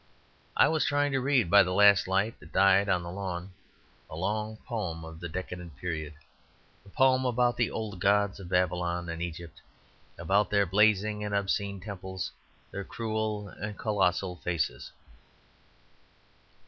I was trying to read by the last light that died on the lawn a long poem of the decadent period, a poem about the old gods of Babylon and Egypt, about their blazing and obscene temples, their cruel and colossal faces.